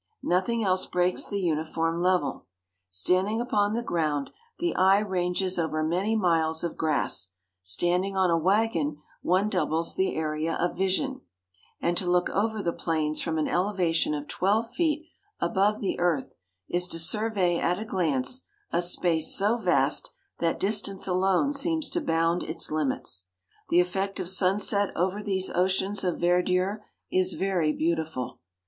Nothing else breaks the uniform level. Standing upon the ground, the eye ranges over many miles of grass; standing on a wagon, one doubles the area of vision; and to look over the plains from an elevation of twelve feet above the earth, is to survey at a glance a space so vast that distance alone seems to bound its limits. The effect of sunset over these oceans of verdure is very beautiful.